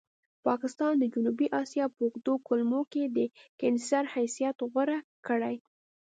پاکستان د جنوبي اسیا په اوږدو کولمو کې د کېنسر حیثیت غوره کړی.